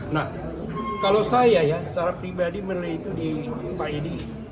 nah kalau saya ya secara pribadi menilai itu di pak edi